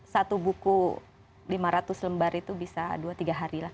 satu buku lima ratus lembar itu bisa dua tiga hari lah